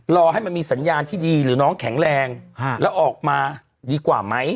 รอให้มันมีสัญญาณที่ดีหรือน้องแข็งแรงแล้วออกมาดีกว่าไหม